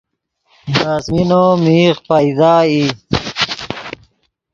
دے آسمینو میغ پیدا ای